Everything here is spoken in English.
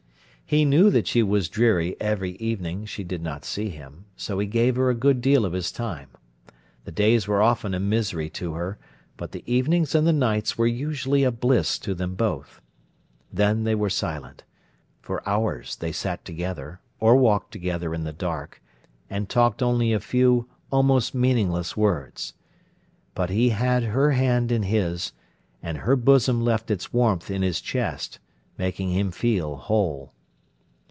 He knew that she was dreary every evening she did not see him, so he gave her a good deal of his time. The days were often a misery to her, but the evenings and the nights were usually a bliss to them both. Then they were silent. For hours they sat together, or walked together in the dark, and talked only a few, almost meaningless words. But he had her hand in his, and her bosom left its warmth in his chest, making him feel whole.